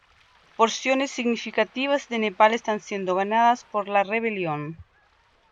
Porciones significativas de Nepal están siendo ganadas por la rebelión.